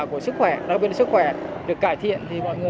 cũng như là tập thể dục luôn